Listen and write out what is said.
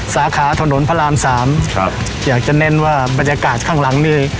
สาขาถนนพระรามสามครับอยากจะเน้นว่าบรรยากาศข้างหลังนี่